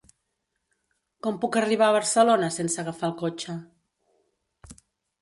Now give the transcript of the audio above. Com puc arribar a Barcelona sense agafar el cotxe?